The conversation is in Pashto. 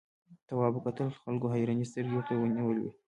تواب وکتل خلکو حیرانې سترګې ورته نیولې وې.